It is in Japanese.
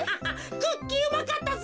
クッキーうまかったぜ。